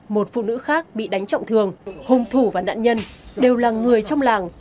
một phụ nữ khác bị đánh trọng thương hùng thủ và nạn nhân đều là người trong làng